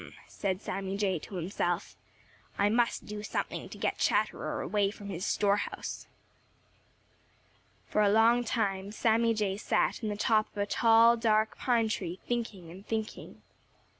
said Sammy Jay to himself, "I must do something to get Chatterer away from his store house." For a long time Sammy Jay sat in the top of a tall, dark pine tree, thinking and thinking.